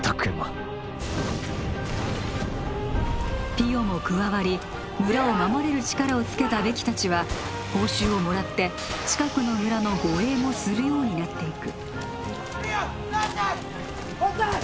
ピヨも加わり村を守れる力をつけたベキ達は報酬をもらって近くの村の護衛もするようになっていく